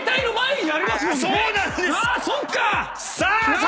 あそっか！